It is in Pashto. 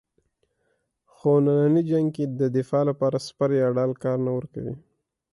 خو نننی جنګ کې د دفاع لپاره سپر یا ډال کار نه ورکوي.